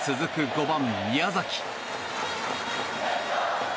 ５番、宮崎。